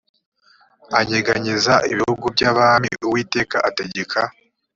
anyeganyeza ibihugu by abami uwiteka ategeka